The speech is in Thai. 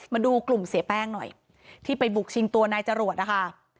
มาดูกลุ่มเสียแป้งหน่อยที่ไปบุกชิงตัวนายจรวดนะคะ